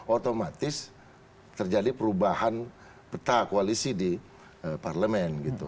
otomatis terjadi perubahan peta koalisi di parlemen gitu